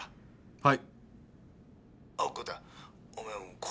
はい。